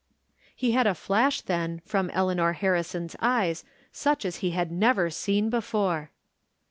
" He had a flash, then, from Eleanor Harrison's eyes such as he had never seen before.